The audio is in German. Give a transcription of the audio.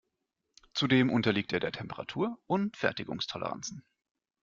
Zudem unterliegt er der Temperatur und Fertigungstoleranzen.